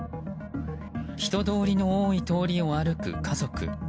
人通りの多い通りを歩く家族。